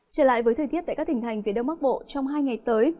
trở lại với thời tiết tại các tỉnh thành phía đông bắc bộ trong hai ngày tới